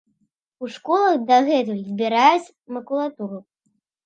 У школах дагэтуль збіраюць макулатуру.